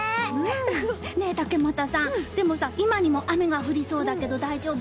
竹俣さん、でも今にも雨が降りそうだけど大丈夫？